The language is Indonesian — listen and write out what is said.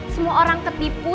semua orang ketipu